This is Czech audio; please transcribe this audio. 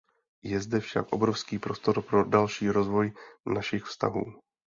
Je zde však obrovský prostor pro další rozvoj našich vztahů.